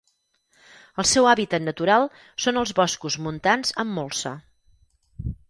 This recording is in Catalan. El seu hàbitat natural són els boscos montans amb molsa.